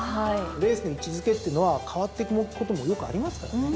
レースの位置付けってのは変わってくこともよくありますからね。